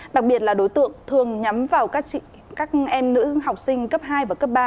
đặc biệt là đối tượng thường nhắm vào các em nữ học sinh cấp hai và cấp ba